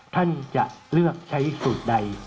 ท่านจะเลือกใช้สูตรใด